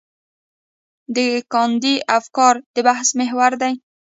د ګاندي افکار د بحث محور دي.